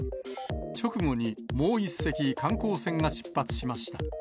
直後にもう１隻、観光船が出発しました。